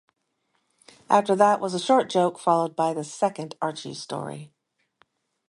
After that was a short joke followed by the second Archie story.